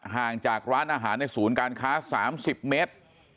ห่างจากร้านอาหารในศูนย์การค้า๓๐เมตร